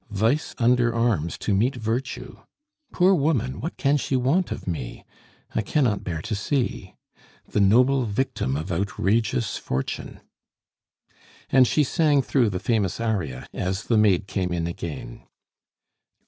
"Vice under arms to meet virtue! Poor woman, what can she want of me? I cannot bear to see. "The noble victim of outrageous fortune!" And she sang through the famous aria as the maid came in again.